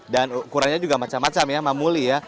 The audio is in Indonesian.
dan ukurannya juga macam macam ya mamuli ya